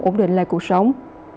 ổn định lại cuộc sống